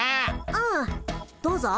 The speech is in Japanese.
うんどうぞ。